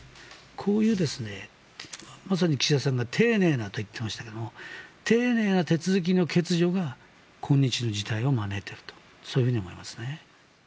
こういう、まさに岸田さんが丁寧なと言っていましたけれど丁寧な手続きの欠如が今日の事態を招いているとそういうふうに思いますね。